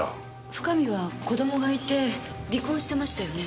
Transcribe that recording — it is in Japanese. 深見は子供がいて離婚してましたよね？